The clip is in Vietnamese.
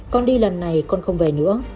con đi lần này con không về nữa